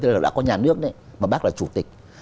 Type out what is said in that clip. tức là đã có nhà nước đấy mà bác là chủ tịch